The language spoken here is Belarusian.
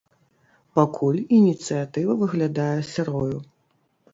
Пакуль ініцыятыва выглядае сырою.